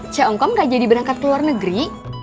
cek omkom gak jadi berangkat ke luar negeri